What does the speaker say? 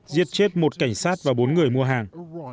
giết chết một cảnh sát và bốn người mua hàng